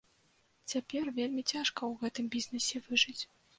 Цяпер вельмі цяжка ў гэтым бізнесе выжыць.